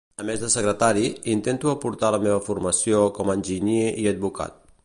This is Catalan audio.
A més de secretari, intento aportar la meva formació com a enginyer i advocat.